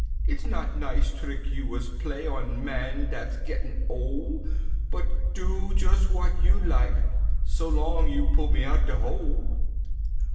It's not de nice trick you was play on man dat's gettin' ole, But do jus' w'at you lak, so long you pull me out de hole."